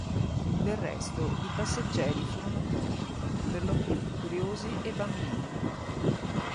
Del resto i passeggeri furono pochi, perlopiù curiosi e bambini.